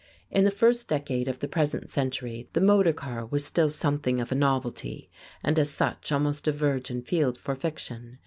In the first decade of the present century the motor car was still something of a novelty, and as such almost a virgin field for fiction.